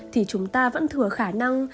thì chúng ta vẫn thừa khả năng